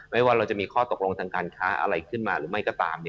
ไม่แต่ว่ามีข้อตกลงทางการเคราะอะไรขึ้นมาหรือไม่ตาม